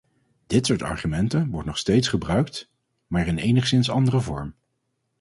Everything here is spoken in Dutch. Dit soort argumenten wordt nog steeds gebruikt, maar in enigszins andere vorm.